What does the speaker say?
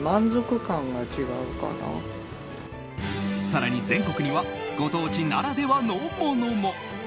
更に全国にはご当地ならではのものも。